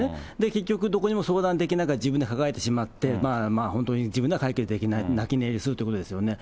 結局どこにも相談できないから、自分で抱えてしまって、本当に自分では解決できない、泣き寝入りするということですよね。